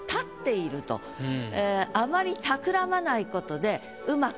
あまりたくらまないことでうまくいった。